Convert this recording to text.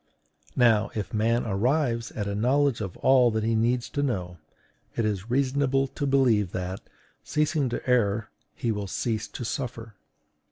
Now, if man arrives at a knowledge of all that he needs to know, it is reasonable to believe that, ceasing to err, he will cease to suffer.